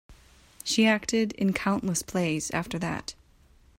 She acted in countless plays after that.